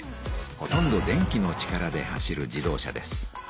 ほとんど電気の力で走る自動車です。